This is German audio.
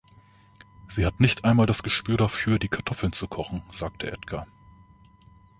„Sie hat nicht einmal das Gespür dafür, die Kartoffeln zu kochen“, sagte Edgar.